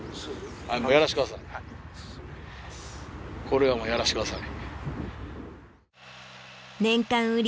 これはもうやらせてください。